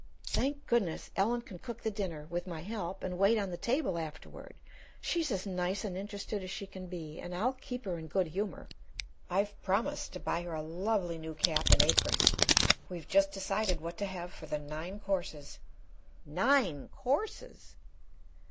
Thank goodness, Ellen can cook the dinner, with my help, and wait on the table afterward. She's as nice and interested as she can be, and I'll keep her in good humor. I've promised to buy her a lovely new cap and apron. We've just decided what to have for the nine courses." "_Nine courses!